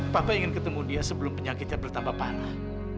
papa ingin ketemu dia sebelum penyakitnya bertambah panah